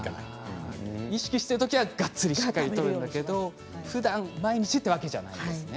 意識してる時はがっつりしっかりとるんだけどふだん毎日ってわけじゃないんですね。